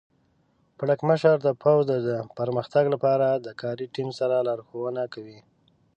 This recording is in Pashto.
پړکمشر د پوځ د پرمختګ لپاره د کاري ټیم سره لارښوونه کوي.